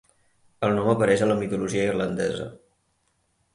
El nom apareix a la mitologia irlandesa.